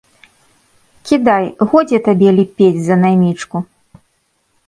Кідай, годзе табе ліпець за наймічку.